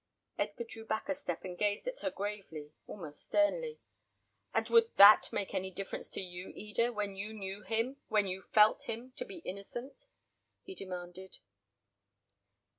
Edgar drew back a step, and gazed at her gravely, almost sternly. "And would that make any difference to you, Eda, when you knew him, when you felt him, to be innocent?" he demanded.